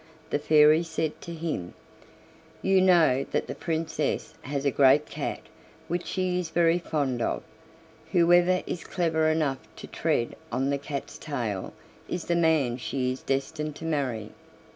The Fairy said to him: "You know that the Princess has a great cat which she is very fond of. Whoever is clever enough to tread on that cat's tail is the man she is destined to marry."